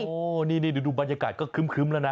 โอ้โหนี่ดูบรรยากาศก็ครึ้มแล้วนะ